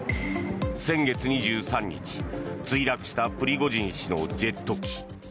先月２３日、墜落したプリゴジン氏のジェット機。